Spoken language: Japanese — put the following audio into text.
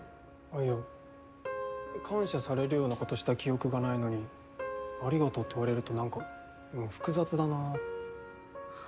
あいや感謝されるようなことした記憶がないのにありがとうって言われると何か複雑だな。